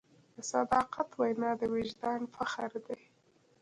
د صداقت وینا د وجدان فخر دی.